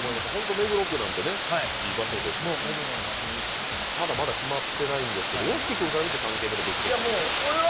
目黒区なんていい場所ですし、ただまだ決まってないんですけど屋敷君から見て３軒目の物件は？